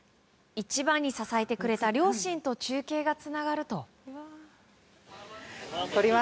一番に支えてくれた両親と中継がつながると。